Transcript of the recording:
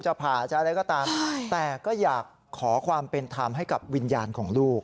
ผ่าจะอะไรก็ตามแต่ก็อยากขอความเป็นธรรมให้กับวิญญาณของลูก